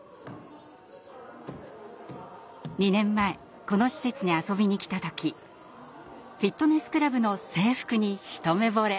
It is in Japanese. ２年前この施設に遊びに来た時フィットネスクラブの制服に一目ぼれ。